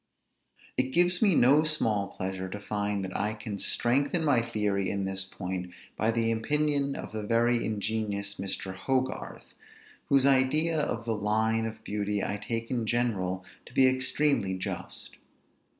It gives me no small pleasure to find that I can strengthen my theory in this point by the opinion of the very ingenious Mr. Hogarth, whose idea of the line of beauty I take in general to be extremely just.